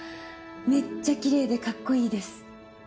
めっちゃキレイでカッコいいです。